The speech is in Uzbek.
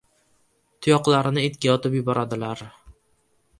Tuyoqlarini itga otib yuboradilar.